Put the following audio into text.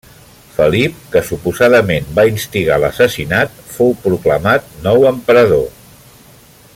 Felip, que suposadament va instigar l'assassinat, fou proclamat nou emperador.